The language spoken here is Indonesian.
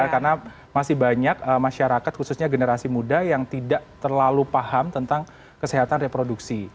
karena masih banyak masyarakat khususnya generasi muda yang tidak terlalu paham tentang kesehatan reproduksi